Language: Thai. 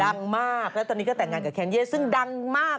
ดังมากแล้วตอนนี้ก็แต่งงานกับแคนเย่ซึ่งดังมาก